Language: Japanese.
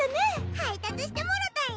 配達してもろたんや。